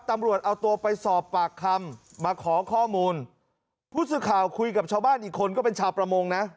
ตำรวจเอาตัวไปสอบปากคำมาขอข้อมูลผู้สื่อข่าวคุยกับชาวบ้านอีกคนก็เป็นชาวประมงนะ